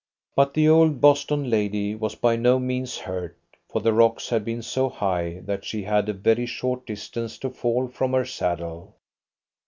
But the old Boston lady was by no means hurt, for the rocks had been so high that she had a very short distance to fall from her saddle.